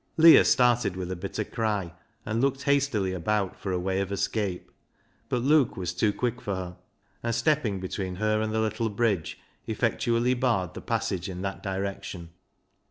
Leah started Vv'ith a bitter cry, and looked hastily about for a way of escape, but Luke was too quick for her, and stepping between her and the little bridge, effectually barred the passage in that direction.